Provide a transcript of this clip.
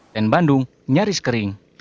dan bandung nyaris kering